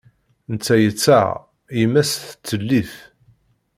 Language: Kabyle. Netta yettaɣ, yemma-s tettellif.